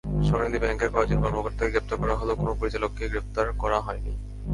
সোনালী ব্যাংকের কয়েকজন কর্মকর্তাকে গ্রেপ্তার করা হলেও কোনো পরিচালককে গ্রেপ্তার করা হয়নি।